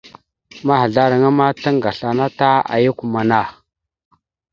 Mahəzlaraŋa ma taŋgasl ana ta ayak amanah.